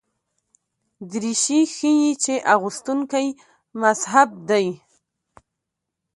دریشي ښيي چې اغوستونکی مهذب دی.